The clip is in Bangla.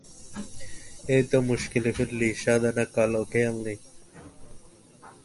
এই তো মুশকিলে ফেললি, সাদা না কালো খেয়াল নেই।